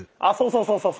あそうそうそう。